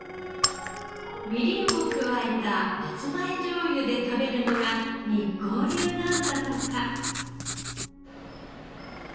みりんを加えた松前醤油で食べるのが日光流なんだとか。